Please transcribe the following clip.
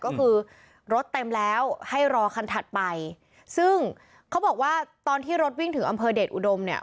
ก็คือรถเต็มแล้วให้รอคันถัดไปซึ่งเขาบอกว่าตอนที่รถวิ่งถึงอำเภอเดชอุดมเนี่ย